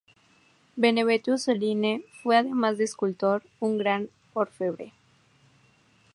Benvenuto Cellini fue, además de escultor, un gran orfebre.